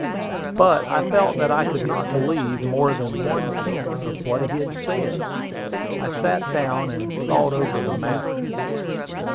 But I felt that I could not believe more than one tenth of what he had said. I sat down, and thought over the matter.